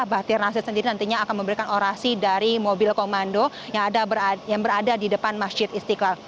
bahtir nasir sendiri nantinya akan memberikan orasi dari mobil komando yang berada di depan masjid istiqlal